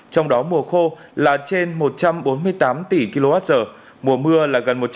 trong đó mùa khô là trên một trăm bốn mươi tám tỷ kwh mùa mưa là gần một trăm năm mươi tám tỷ kwh